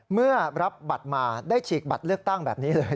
เมื่อรับบัตรมาได้ฉีกบัตรเลือกตั้งแบบนี้เลย